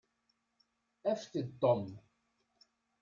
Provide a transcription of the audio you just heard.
Afet-d Tom.